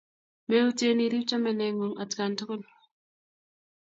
Meutyen irip chamaneng'ung' atkan tukul